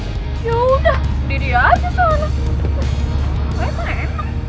yaudah duduk aja